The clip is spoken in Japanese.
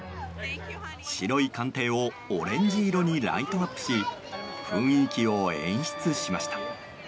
白い官邸をオレンジ色にライトアップし雰囲気を演出しました。